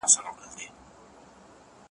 پرون یې بیا له هغه ښاره جنازې وایستې ,